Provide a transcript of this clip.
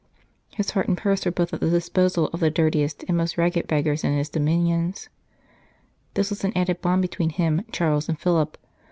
His heart and his purse were both at the disposal of the dirtiest and most ragged beggars in his dominions. This was an added bond between him, Charles, and Philip.